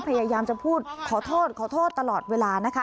พยายามจะพูดขอโทษขอโทษตลอดเวลานะคะ